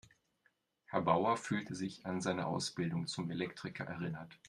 Herr Bauer fühlte sich an seine Ausbildung zum Elektriker erinnert.